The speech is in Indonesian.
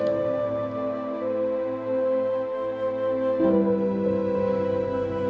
bibi merasa marah sama kamu